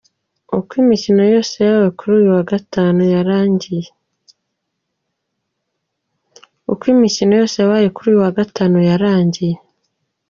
Uko imikino yose yabaye kuri uyu wa Gatatu yarangiye.